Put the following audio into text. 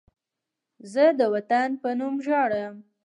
زه د وطن په نوم ژاړم